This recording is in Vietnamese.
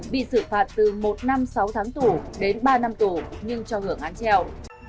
bị xử phạt từ một năm sáu tháng tù đến ba năm tù nhưng cho hưởng án treo